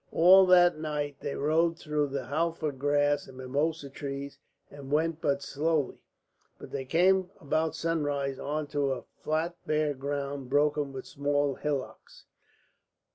All that night they rode through halfa grass and mimosa trees and went but slowly, but they came about sunrise on to flat bare ground broken with small hillocks.